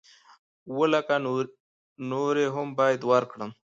اووه لکه نورې هم بايد ورکړم.